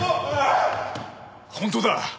本当だ！